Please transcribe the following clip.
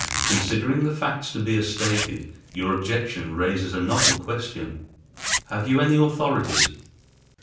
Considering the facts to be as stated, your objection raises a novel question. Have you any authorities?"